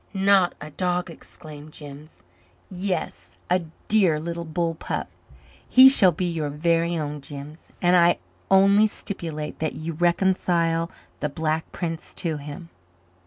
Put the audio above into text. "Not a dog?" exclaimed Jims. "Yes a dear little bull pup. He shall be your very own, Jims, and I only stipulate that you reconcile the Black Prince to him."